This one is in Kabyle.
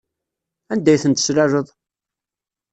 Anda ay tent-teslaleḍ?